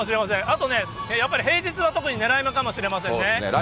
あとね、やっぱり平日は特にねらい目かもしれませんね。